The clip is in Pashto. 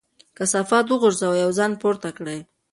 کثافات وغورځوئ او ځان پورته کړئ.